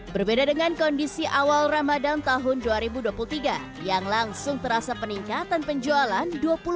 berbeda dengan kondisi awal ramadan tahun dua ribu dua puluh tiga yang langsung terasa peningkatan penjualan